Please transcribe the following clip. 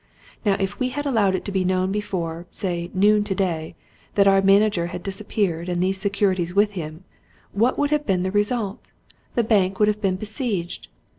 Now if we had allowed it to be known before, say, noon today, that our manager had disappeared, and these securities with him, what would have been the result? The bank would have been besieged!